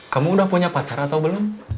kamu udah punya pacar atau belum